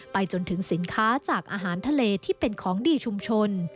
จนถึงสินค้าจากอาหารทะเลที่เป็นของดีชุมชน